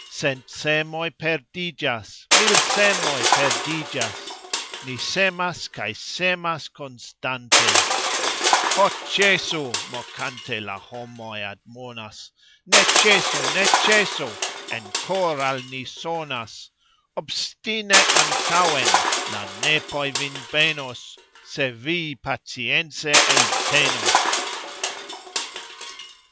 Cent semoj perdigxas, mil semoj perdigxas, Ni semas kaj semas konstante. "Ho, cxesu!" mokante la homoj admonas, "Ne cxesu, ne cxesu!" en kor' al ni sonas: "Obstine antauxen! La nepoj vin benos, Se vi pacience eltenos."